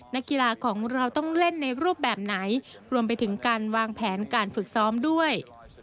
นักกีฬาของเราต้องเล่นในรูปแบบไหนรวมไปถึงการวางแผนการฝึกซ้อมด้วย